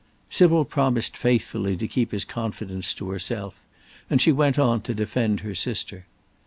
Sybil promised faithfully to keep his confidence to herself, and she went on to defend her sister.